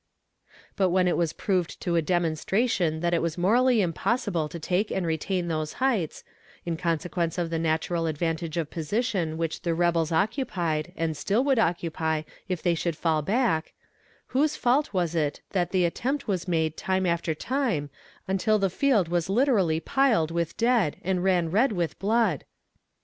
But when it was proved to a demonstration that it was morally impossible to take and retain those heights, in consequence of the natural advantage of position which the rebels occupied, and still would occupy if they should fall back whose fault was it that the attempt was made time after time, until the field was literally piled with dead and ran red with blood?